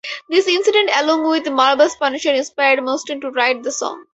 This incident, along with Marvel's Punisher, inspired Mustaine to write the song.